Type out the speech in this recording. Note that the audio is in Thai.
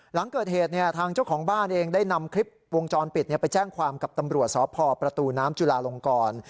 หลังเกิดเหตุทางเจ้าของบ้านเองได้นำคลิปวงจรปิดไปแจ้งความกับตำรวจสพประตูน้ำจุลาลงกร